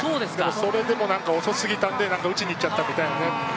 それでも遅すぎたんで打ちに行っちゃったみたいな。